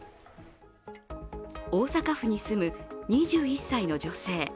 大阪府に住む、２１歳の女性。